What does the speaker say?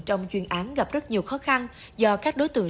trong chuyên án gặp rất nhiều khó khăn do các đối tượng